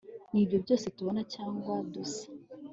nibyo byose tubona cyangwa dusa